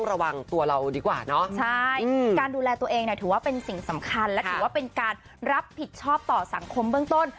การดูแลตัวเองถือว่าเป็นสิ่งสำคัญและถือว่าเป็นการรับผิดชอบต่อสังคมเบื้องต้น